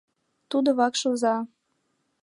Тудо вакш оза.